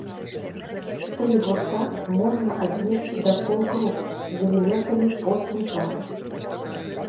Стыль гурта можна аднесці да фолк-року з элементамі пост-метала.